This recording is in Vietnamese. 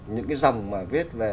những cái dòng mà viết về